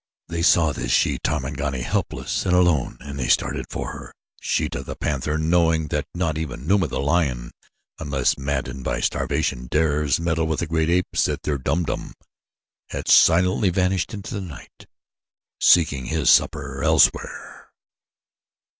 They saw this she Tarmangani, helpless and alone and they started for her. Sheeta, the panther, knowing that not even Numa, the lion, unless maddened by starvation, dares meddle with the great apes at their Dum Dum, had silently vanished into the night, seeking his supper elsewhere.